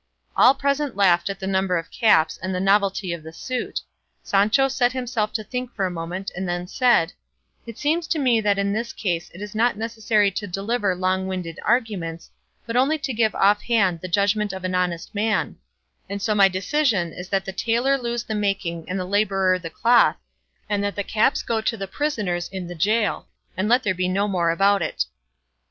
All present laughed at the number of caps and the novelty of the suit; Sancho set himself to think for a moment, and then said, "It seems to me that in this case it is not necessary to deliver long winded arguments, but only to give off hand the judgment of an honest man; and so my decision is that the tailor lose the making and the labourer the cloth, and that the caps go to the prisoners in the gaol, and let there be no more about it."